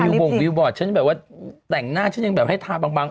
บิวบ่มบิวบอร์ดฉันแต่งหน้าฉันยังแบบให้ทาบัง